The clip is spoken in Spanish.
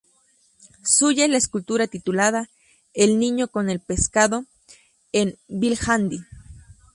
Suya es la escultura titulada "El niño con el pescado" en Viljandi.